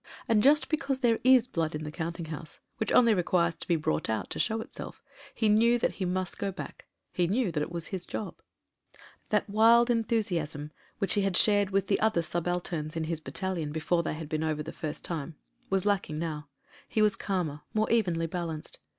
And just because there is blood in the counting house, which only requires to be brought out to show itself, he knew that he must go back — he knew that it was his job. ...•• Thf^t wild enthusiasm which he had shared with 254 MEN, WOMEN AND GUNS other subalterns in his battalion before they had been over the first time was lacking now ; he was calmer — more evenly balanced.